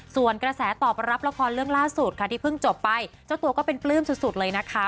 ส่วนกระแสตอบรับละครเรื่องล่าสุดค่ะที่เพิ่งจบไปเจ้าตัวก็เป็นปลื้มสุดเลยนะคะ